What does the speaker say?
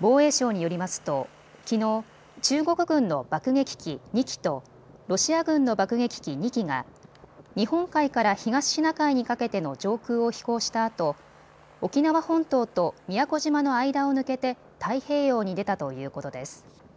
防衛省によりますときのう、中国軍の爆撃機２機とロシア軍の爆撃機２機が日本海から東シナ海にかけての上空を飛行したあと沖縄本島と宮古島の間を抜けて太平洋に出たということです。